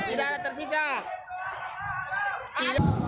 tidak ada tersisa